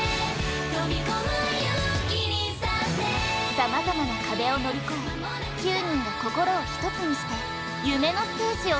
さまざまな壁を乗り越え９人が心を一つにして夢のステージを成功させる。